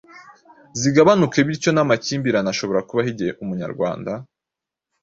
zigabanuke bityo n’amakimbirane ashobora kubaho igihe umunyarwanda